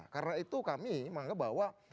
karena itu kami menganggap bahwa